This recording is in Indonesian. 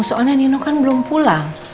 soalnya nino kan belum pulang